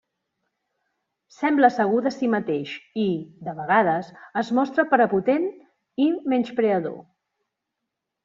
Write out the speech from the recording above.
Sembla segur de si mateix i, de vegades, es mostra prepotent i menyspreador.